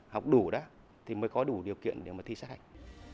học đủ đó thì mới có đủ điều kiện để mà thi sát hạch